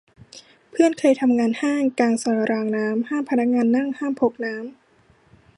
เพื่อนเคยทำงานห้างกลางซอยรางน้ำ ห้ามพนักงานนั่ง ห้ามพกน้ำ